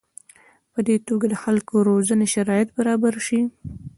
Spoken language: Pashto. په دې توګه د خلکو روزنې شرایط برابر شي.